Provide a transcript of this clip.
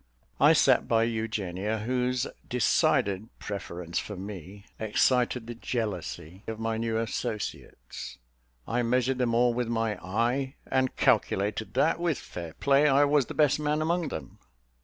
I sat by Eugenia, whose decided preference for me excited the jealousy of my new associates. I measured them all with my eye, and calculated that, with fair play, I was the best man among them.